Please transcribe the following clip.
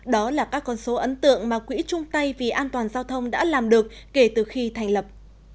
đó là các con số ấn tượng mà quỹ trung tây vì an toàn giao thông đã làm được kể từ khi thành lập